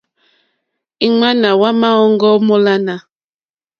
Ìŋwánà wà má òŋɡô múlánà.